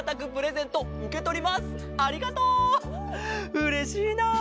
うれしいな。